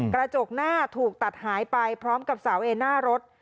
กระจกหน้าถูกตัดหายไปพร้อมกับเสาเอหน้ารถ